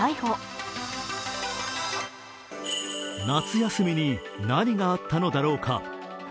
夏休みに何があったのだろうか。